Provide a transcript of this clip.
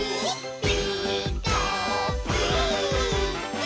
「ピーカーブ！」